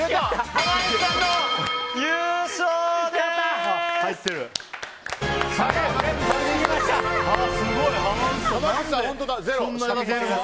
濱口さんの優勝です！